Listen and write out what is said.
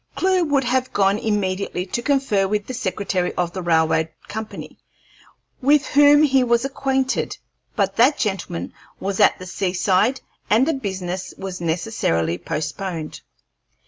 Clewe would have gone immediately to confer with the secretary of the railroad company, with whom he was acquainted but that gentleman was at the sea side, and the business was necessarily postponed.